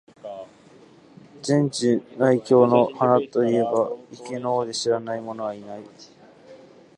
禅智内供の鼻と云えば、池の尾で知らない者はない。